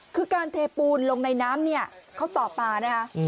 คือการเทปูนลงในน้ำเนี่ยเขาตอบมานะคะ